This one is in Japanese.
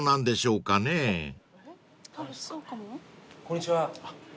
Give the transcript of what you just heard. ・こんにちは。